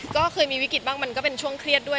ก็เคยมีวิกฤตบ้างมันก็เป็นช่วงเครียดด้วย